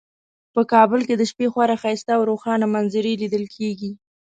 په کابل کې د شپې خورا ښایسته او روښانه منظرې لیدل کیږي